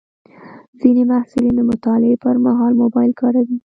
ځینې محصلین د مطالعې پر مهال موبایل کاروي.